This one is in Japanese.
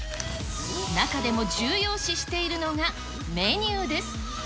中でも重要視しているのが、メニューです。